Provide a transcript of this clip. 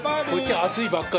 熱いばっかり。